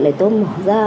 để tôi mở ra